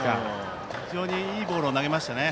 非常にいいボールを投げましたね。